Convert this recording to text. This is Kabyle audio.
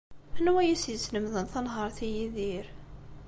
Anwa ay as-yeslemden tanhaṛt i Yidir?